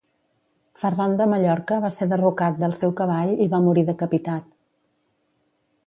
Ferran de Mallorca va ser derrocat del seu cavall i va morir decapitat.